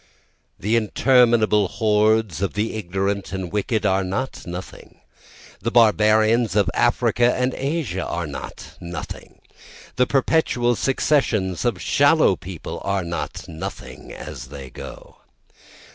The interminable hordes of the ignorant and wicked are not nothing, The barbarians of Africa and Asia are not nothing, The perpetual successions of shallow people are not nothing as they go.